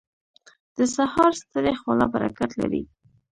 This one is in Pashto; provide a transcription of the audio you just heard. • د سهار ستړې خوله برکت لري.